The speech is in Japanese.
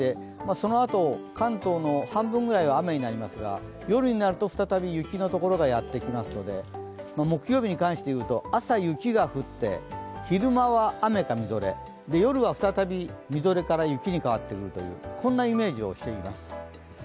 そのあと、関東の半分くらいは雨になりますが夜になると再び雪のところがやってきますので木曜日に関していうと、朝雪が降って、昼間は雨かみぞれ、で、夜は再びみぞれから雪に変わってくるとこんなイメージをしています。